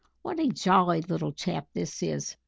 "What a jolly little chap this is.